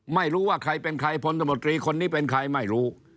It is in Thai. ไม่รู้ว่าใครเป็นใครพลตมตรีคนนี้เป็นใครไม่รู้